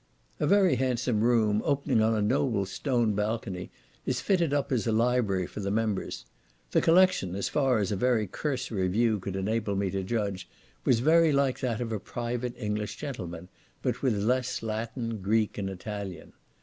A very handsome room, opening on a noble stone balcony is fitted up as a library for the members. The collection, as far as a very cursory view could enable me to judge, was very like that of a private English gentleman, but with less Latin, Greek, and Italian.